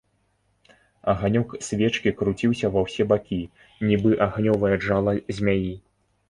Аганёк свечкі круціўся ва ўсе бакі, нібы агнёвае джала змяі.